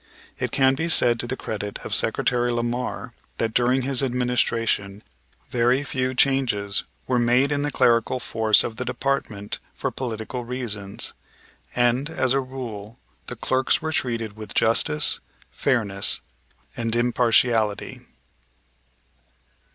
It can be said to the credit of Secretary Lamar that during his administration very few changes were made in the clerical force of the department for political reasons, and, as a rule, the clerks were treated with justice, fairness and impartiality.